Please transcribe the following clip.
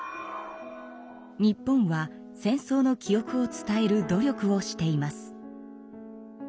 日本は戦争の記憶を伝える努力をしています。